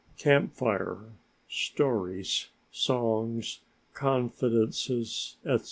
Camp Fire, stories, songs, confidences, etc.